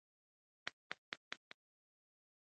بله ورځ نيكه مې غونډۍ ته بوتلم.